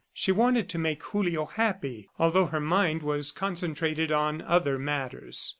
She wanted to make Julio happy, although her mind was concentrated on other matters.